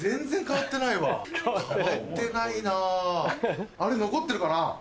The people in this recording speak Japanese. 変わってないなぁあれ残ってるかなぁ？